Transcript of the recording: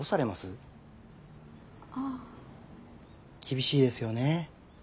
厳しいですよね。